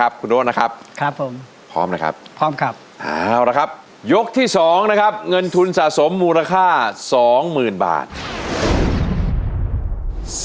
วันนี้ยังไงครับร้องได้ไหมเอ่ยว่าได้นะในยกที่สองนี้แหละครับตัวช่วยครับคุณโดะครับจะใช่หรือไม่ใช่ครับ